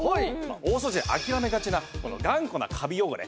大掃除で諦めがちな頑固なカビ汚れ